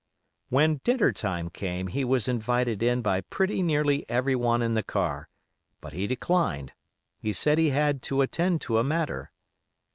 "When dinner time came he was invited in by pretty nearly everyone in the car, but he declined; he said he had to attend to a matter.